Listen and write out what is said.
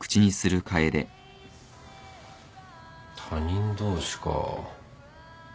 他人同士か。